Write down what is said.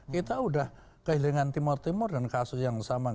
kita sudah kehilangan timur timur dan kasus yang sama